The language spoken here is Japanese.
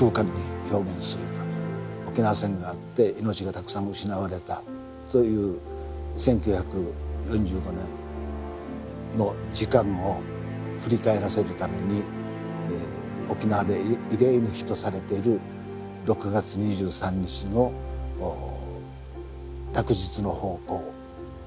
沖縄戦があって命がたくさん失われたそういう１９４５年の時間を振り返らせるために沖縄で慰霊の日とされている６月２３日の落日の方向と軸線を合わせるという。